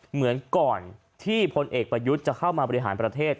เหมือนก่อนที่พลเอกประยุทธ์จะเข้ามาบริหารประเทศ